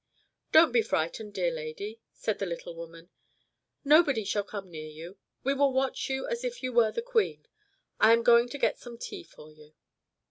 "Don't be frightened, dear lady," said the little woman; "nobody shall come near you. We will watch you as if you were the queen. I am going to get some tea for you."